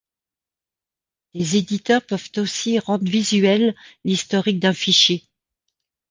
Des éditeurs peuvent aussi rendre visuel l'historique d'un fichier.